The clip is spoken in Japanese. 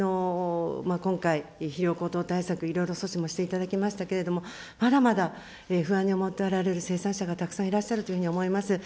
今回、費用高騰対策、いろいろ措置もしていただきましたけれども、まだまだ不安に思っておられる生産者がたくさんおられるというふうに思います。